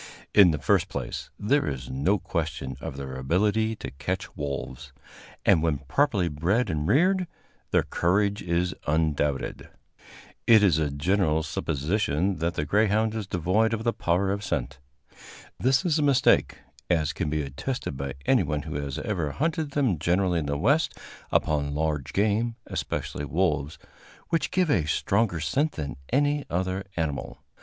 In the first place, there is no question of their ability to catch wolves, and, when properly bred and reared, their courage is undoubted. It is a general supposition that the greyhound is devoid of the power of scent. This is a mistake, as can be attested by anyone who has ever hunted them generally in the West upon large game, especially wolves, which give a stronger scent than any other animal.